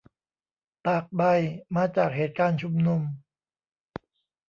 ตากใบ มาจากเหตุการณ์ชุมนุม